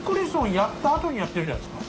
やったアトにやってるじゃないですか？